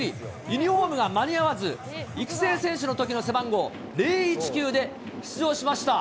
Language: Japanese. ユニホームが間に合わず、育成選手のときの背番号、０１９で出場しました。